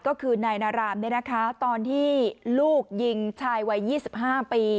ก็คือนายนารามตอนที่ลูกยิงชายวัย๒๕ปี